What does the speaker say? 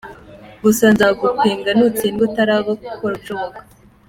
Gusa nzagupinga ni utsindwa utaraba gukora ibishoboka.